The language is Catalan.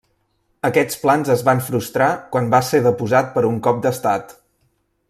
Aquests plans es van frustrar quan va ser deposat per un cop d'estat.